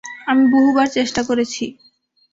আমি বহুবার চেষ্টা করেছি।